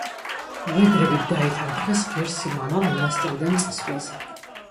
ვედრებით დაითანხმეს ღირსი მამა მონასტრიდან წასვლაზე.